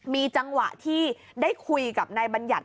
มีจังหวะที่ได้คุยกับนายบัญญัติ